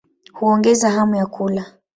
Huongeza hamu ya kula.